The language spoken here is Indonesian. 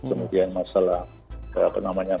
kemudian masalah apa namanya